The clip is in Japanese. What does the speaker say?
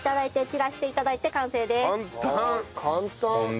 完成です！